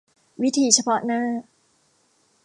วิธีเฉพาะหน้า